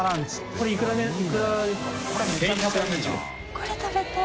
これ食べたい。